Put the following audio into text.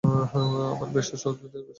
আমার ভেষজ ওষুধের ভাণ্ডার আছে।